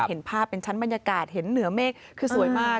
เห็นภาพเป็นชั้นบรรยากาศเห็นเหนือเมฆคือสวยมาก